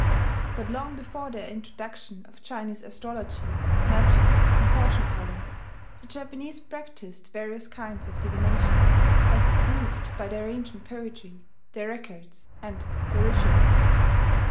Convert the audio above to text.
But long before the introduction of Chinese astrology, magic, and fortune telling, the Japanese practised various kinds of divination, as is proved by their ancient poetry, their records, and their rituals.